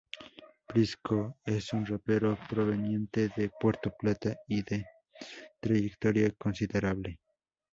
Prisco, es un rapero proveniente de Puerto Plata y de trayectoria considerable.